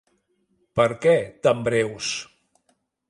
Per què tan breus?